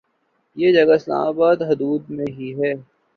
یہ جگہ اسلام آباد کی حدود میں ہی ہے